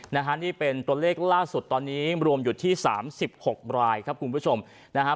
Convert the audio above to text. นะฮะนี่เป็นตัวเลขล่าสุดตอนนี้รวมอยู่ที่สามสิบหกรายครับคุณผู้ชมนะฮะ